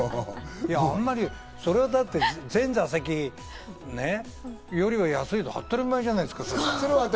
そりゃあ、だって全座席よりは安いの当たり前じゃないですか。